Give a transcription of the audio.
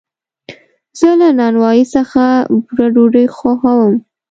زه له نانوایي څخه بوره ډوډۍ خوښوم.